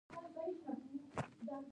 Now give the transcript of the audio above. همدا سزا سیدي مولا ته هم ورکړل شوې وه.